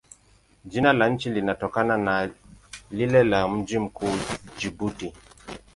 Jina la nchi linatokana na lile la mji mkuu, Jibuti.